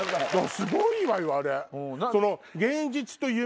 すごいわよあれ！